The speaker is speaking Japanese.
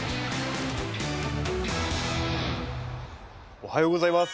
おはようございます。